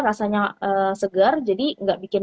rasanya segar jadi nggak bikin